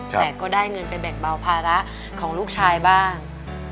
แต่ก็ได้เงินไปแบ่งเบาภาระของลูกชายบ้าง